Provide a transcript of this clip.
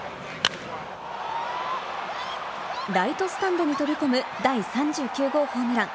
ライトスタンドに飛び込む第３９号ホームラン。